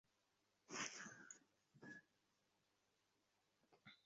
বিবিসির খবরে বলা হয়েছে, সকালে হামলাকারী কলেজে ঢুকে শিক্ষার্থীদের ওপর গুলিবর্ষণ করে।